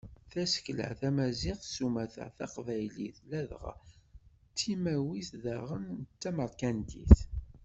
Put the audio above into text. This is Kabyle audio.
Tasekla tamaziɣt s umata, taqbaylit ladɣa d timawit daɣen d tamerkantit.